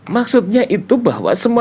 maksudnya itu bahwa